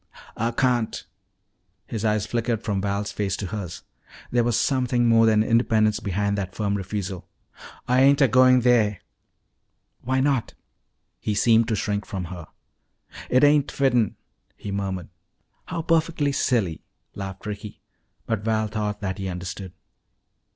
"Ah can't!" His eyes flickered from Val's face to hers. There was something more than independence behind that firm refusal. "Ah ain't a goin' theah." "Why not?" He seemed to shrink from her. "It ain't fitten," he murmured. "How perfectly silly," laughed Ricky. But Val thought that he understood.